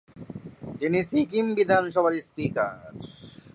তিনি সিকিম বিধানসভার স্পিকার।